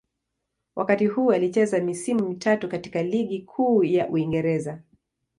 Wakati huu alicheza misimu mitatu katika Ligi Kuu ya Uingereza.